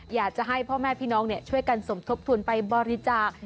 อยากจะให้พ่อแม่พี่น้องช่วยกันสมทบทุนไปบริจาค